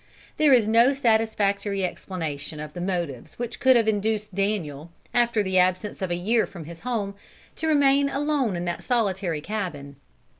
There is no satisfactory explanation of the motives which could have induced Daniel, after the absence of a year from his home, to remain alone in that solitary cabin.